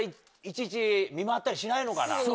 いちいち見回ったりしないのかな？